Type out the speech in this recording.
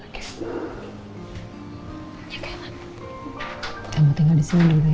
kita mau tinggal disini dulu ya